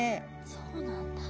そうなんだ。